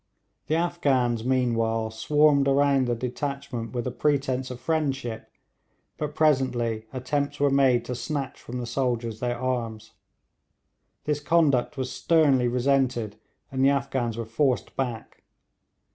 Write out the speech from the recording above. The Afghans meanwhile swarmed around the detachment with a pretence of friendship, but presently attempts were made to snatch from the soldiers their arms. This conduct was sternly resented, and the Afghans were forced back.